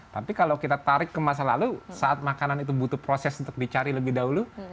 tapi kalau kita tarik ke masa lalu saat makanan itu butuh proses untuk dicari lebih dahulu